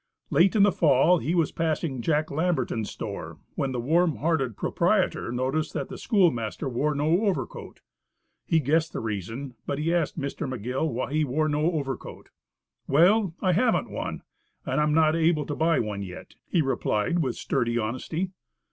Late in the fall he was passing Jack Lamberton's store, when the warm hearted proprietor noticed that the school master wore no overcoat. He guessed the reason; but he asked Mr. McGill why he wore no overcoat. "Well, I haven't one, and I am not able to buy one yet," he replied with sturdy honesty.